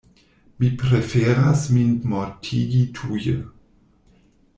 Mi preferas min mortigi tuje.